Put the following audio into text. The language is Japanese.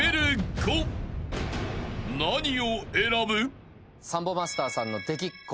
［何を選ぶ？］